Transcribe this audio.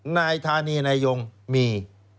นายธานีนายงมี